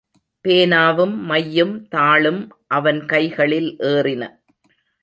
பேனாவும், மையும், தாளும் அவன் கைகளில் ஏறின.